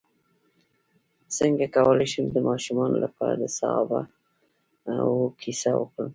څنګه کولی شم د ماشومانو لپاره د صحابه وو کیسې وکړم